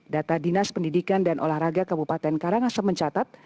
data dinas pendidikan dan olahraga kabupaten karangasem mencatat